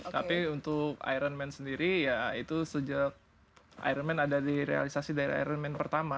tapi untuk iron man sendiri ya itu sejak iron man ada di realisasi dari iron man pertama